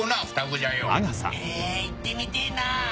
へぇ行ってみてぇなぁ。